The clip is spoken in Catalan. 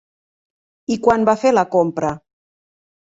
I quan va fer la compra?